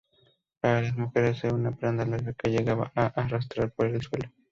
Para las mujeres era una prenda larga que llegaba a arrastrar por el suelo.